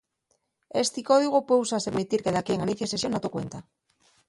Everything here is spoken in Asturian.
Esti códigu pue usase pa permitir que daquién anicie sesión na to cuenta.